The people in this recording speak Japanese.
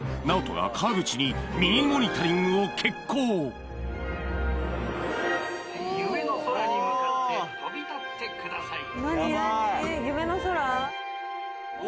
ＮＡＯＴＯが川口にミニモニタリングを決行夢の空に向かって飛び立ってください